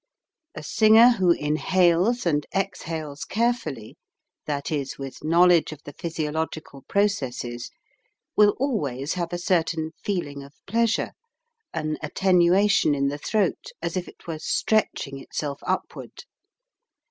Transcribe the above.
A singer who inhales and exhales carefully, that is, with knowledge of the physiological processes, will always have a certain feeling of pleasure, an attenuation in the throat as if it were stretching itself upward.